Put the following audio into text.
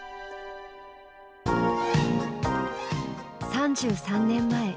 ３３年前。